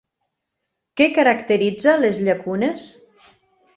Què caracteritza les llacunes?